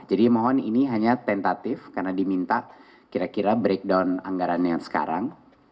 jadi mohon ini hanya tentatif karena diminta kira kira breakdown anggarannya sekarang